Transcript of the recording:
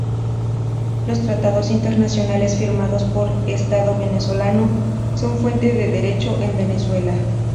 Los Tratados Internacionales firmados por Estado Venezolano son fuente de derecho en Venezuela.